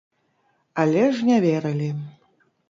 Але ж не верылі.